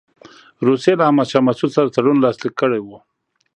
روسیې له احمدشاه مسعود سره تړون لاسلیک کړی وو.